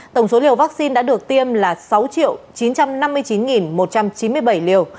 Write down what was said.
tổng số liều vaccine đã được tiêm là sáu chín trăm năm mươi chín một trăm chín mươi bảy liều